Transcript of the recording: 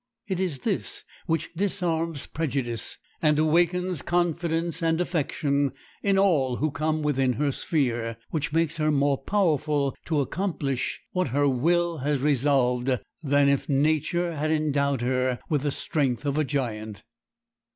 It is this which disarms prejudice, and awakens confidence and affection in all who come within her sphere, which makes her more powerful to accomplish what her will has resolved than if nature had endowed her with the strength of a giant.